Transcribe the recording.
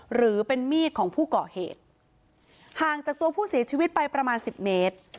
หรือเป็นมีดของผู้ก่อเหตุห่างจากตัวผู้เสียชีวิตไปประมาณสิบเมตร